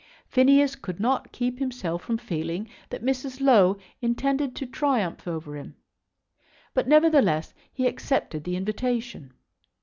Phineas could not keep himself from feeling that Mrs. Low intended to triumph over him; but, nevertheless, he accepted the invitation.